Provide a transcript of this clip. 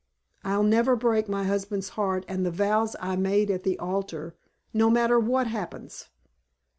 "I'll never break my husband's heart and the vows I made at the altar, no matter what happens."